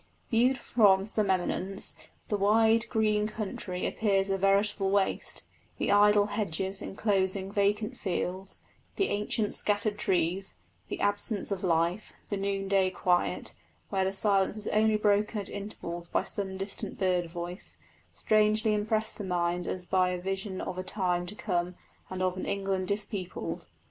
Viewed from some eminence, the wide, green country appears a veritable waste; the idle hedges enclosing vacant fields, the ancient scattered trees, the absence of life, the noonday quiet, where the silence is only broken at intervals by some distant bird voice, strangely impress the mind as by a vision of a time to come and of an England dispeopled.